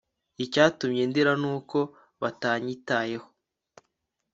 Icyatumye ndira nuko batanyitayeho